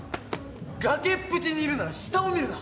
崖っぷちにいるなら下を見るな！